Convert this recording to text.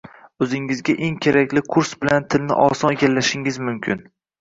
O’zingizga eng kerakli kurs bilan tilni oson egallashingiz mumkin